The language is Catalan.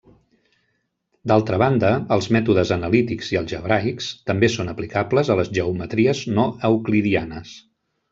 D'altra banda, els mètodes analítics i algebraics també són aplicables a les geometries no euclidianes.